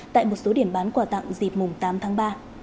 tại một số điểm bán quà tặng dịp mùng tám tháng ba